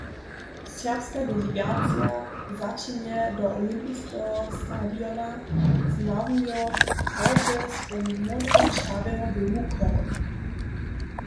Serbska delegacija zaćehnje do olympiskeho stadiona, zmawujo hordźe swoju módro-čerwjeno-běłu chorhoj.